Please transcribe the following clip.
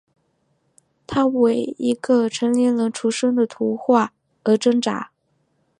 他为一个成年人重生的图画而挣扎。